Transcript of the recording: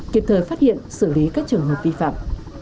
kịp thời phát hiện xử lý các trường hợp vi phạm